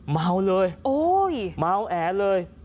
เมาเลยเมาแอเลย